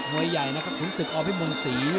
มวยใหญ่ขุนศึกอพิมพ์วงศรี